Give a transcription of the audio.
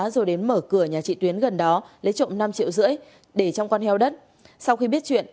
rồi đến mở cửa nhà chị tuyến gần đó lấy trộm năm triệu rưỡi để trong con heo đất